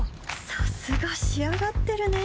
さすが仕上がってるね